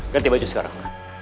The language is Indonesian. ganti baju sekarang